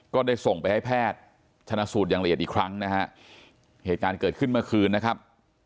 ก็ได้ส่งไปให้แพทย์ชนะสูตรอย่างละเอียดอีกครั้งนะฮะเหตุการณ์เกิดขึ้นเมื่อคืนนะครับ